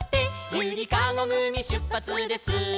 「ゆりかごぐみしゅっぱつです」